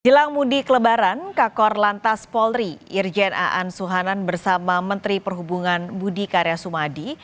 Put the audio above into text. jelang mudik lebaran kakor lantas polri irjen aan suhanan bersama menteri perhubungan budi karya sumadi